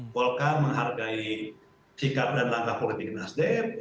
golkar menghargai sikap dan langkah politik nasdem